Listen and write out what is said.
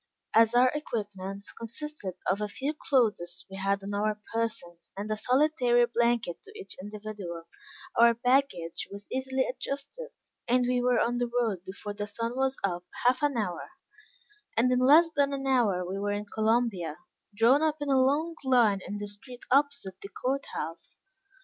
As our equipments consisted of a few clothes we had on our persons and a solitary blanket to each individual, our baggage was easily adjusted, and we were on the road before the sun was up half an hour; and in less than an hour we were in Columbia, drawn up in a long line in the street opposite the court house.